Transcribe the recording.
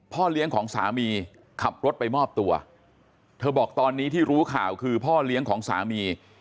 เลี้ยงของสามีขับรถไปมอบตัวเธอบอกตอนนี้ที่รู้ข่าวคือพ่อเลี้ยงของสามี